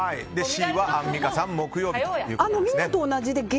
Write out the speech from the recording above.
Ｃはアンミカさん木曜日ということですね。